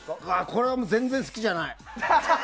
これは全然好きじゃない。